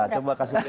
coba kasih lihat